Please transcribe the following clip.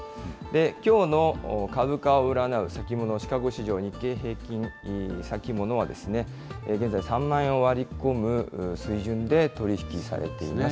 きょうの株価を占う、先物シカゴ市場、日経平均先物は現在、３万円を割り込む水準で取り引きされています。